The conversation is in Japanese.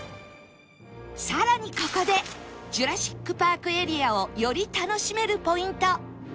さらにここでジュラシック・パークエリアをより楽しめるポイント